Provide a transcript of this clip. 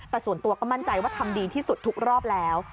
แต่ส่วนตัวก็มั่นใจว่าทำดีที่สุดทุกรอบแล้ว